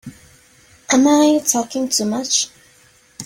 Am I talking too much?